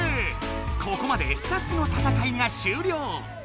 ここまで２つの戦いが終了！